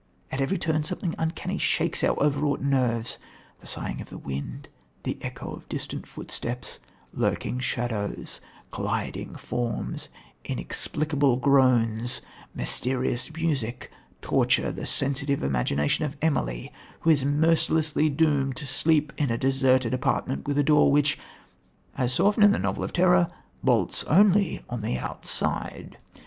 At every turn something uncanny shakes our overwrought nerves; the sighing of the wind, the echo of distant footsteps, lurking shadows, gliding forms, inexplicable groans, mysterious music torture the sensitive imagination of Emily, who is mercilessly doomed to sleep in a deserted apartment with a door, which, as so often in the novel of terror, bolts only on the outside.